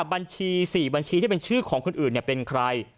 บัญชี๔บัญชีที่เป็นชื่อของคนอื่นเป็นใคร